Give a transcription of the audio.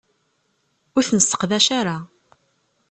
Ur t-nesseqdac ara.